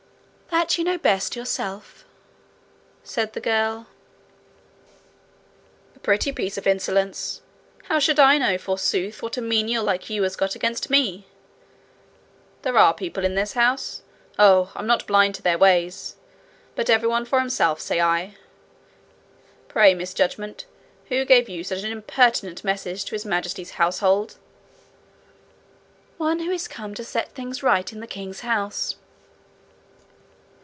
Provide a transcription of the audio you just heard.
'That you know best yourself,' said the girl. 'A pretty piece of insolence! How should I know, forsooth, what a menial like you has got against me! There are people in this house oh! I'm not blind to their ways! but every one for himself, say I! Pray, Miss judgement, who gave you such an impertinent message to His Majesty's household?' 'One who is come to set things right in the king's house.'